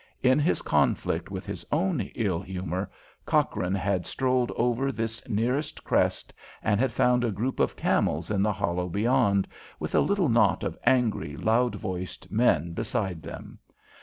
In his conflict with his own ill humour, Cochrane had strolled over this nearest crest, and had found a group of camels in the hollow beyond, with a little knot of angry, loud voiced men beside them.